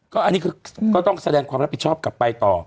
อันนี้คือก็ต้องแสดงความรับผิดชอบกลับไปต่อ